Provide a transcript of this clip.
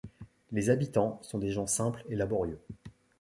Les habitants sont des gens simples et laborieux.